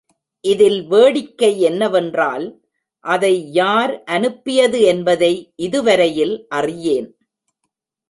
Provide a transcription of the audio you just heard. இதில் வேடிக்கை என்னவென்றால், அதை யார் அனுப்பியது என்பதை இதுவரையில் அறியேன்!